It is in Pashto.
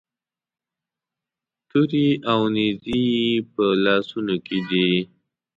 تورې او نیزې یې په لاسونو کې دي.